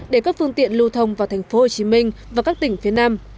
để các phương tiện lưu thông vào thành phố hồ chí minh và các tỉnh phía nam